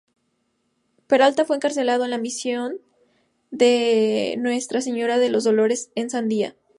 Peralta fue encarcelado en la misión de Nuestra Señora de los Dolores, en Sandia.